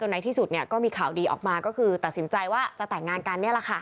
ในที่สุดเนี่ยก็มีข่าวดีออกมาก็คือตัดสินใจว่าจะแต่งงานกันนี่แหละค่ะ